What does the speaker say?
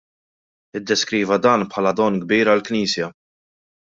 Iddeskriva dan bħala don kbir għall-Knisja.